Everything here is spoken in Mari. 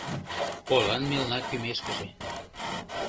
Полан мелна кӱмешкыже